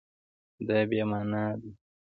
دا بې مانا ده